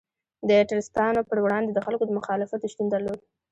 د ټرستانو پر وړاندې د خلکو مخالفت شتون درلود.